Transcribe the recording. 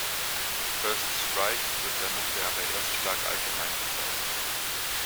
Mit „First Strike“ wird der nukleare Erstschlag allgemein bezeichnet.